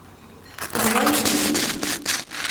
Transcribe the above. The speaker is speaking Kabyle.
Tebḍa-yi-tent-id.